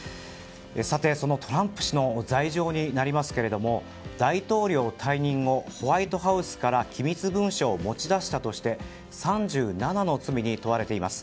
さて、そのトランプ氏の罪状になりますけれども大統領退任後ホワイトハウスから機密文書を持ち出したとして３７の罪に問われています。